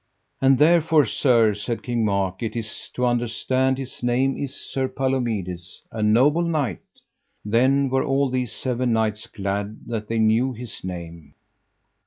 And therefore, sir, said King Mark, it is to understand his name is Sir Palomides, a noble knight. Then were all these seven knights glad that they knew his name.